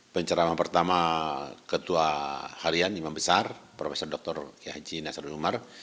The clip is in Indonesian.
penceramah pertama ketua harian imam besar prof dr haji nasarud umar